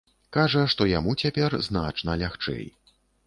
Кажа, што яму цяпер значна лягчэй.